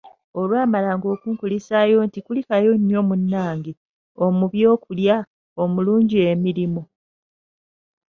Olwamalanga okunkulisaayo nti "kulikayo nnyo munnange, omubi okulya, omulungi emirimo".